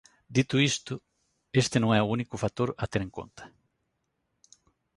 Dito isto, este non é o único factor a ter en conta.